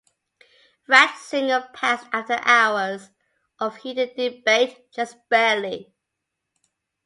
Ratzinger passed after hours of heated debate, just barely.